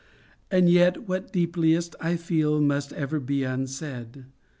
And yet, what deepliest I feel Must ever be unsaid.